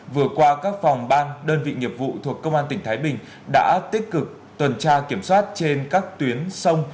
vừa qua các phòng ban đơn vị nghiệp vụ thuộc công an tỉnh thái bình đã tích cực tuần tra kiểm soát trên các tuyến sông